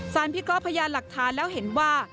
พิเคราะห์พยานหลักฐานแล้วเห็นว่า